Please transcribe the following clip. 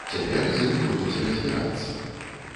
Цяпер з ім будуць разбірацца.